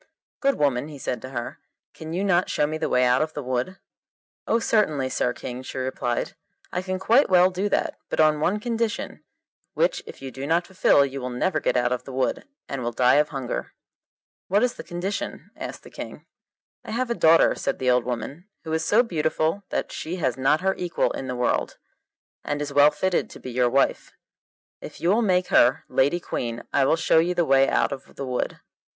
'Good woman,' he said to her, 'can you not show me the way out of the wood?' 'Oh, certainly, Sir King,' she replied, 'I can quite well do that, but on one condition, which if you do not fulfil you will never get out of the wood, and will die of hunger.' 'What is the condition?' asked the King. 'I have a daughter,' said the old woman, 'who is so beautiful that she has not her equal in the world, and is well fitted to be your wife; if you will make her lady queen I will show you the way out of the wood.